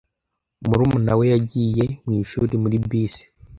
Murumuna we yagiye mwishuri muri bisi.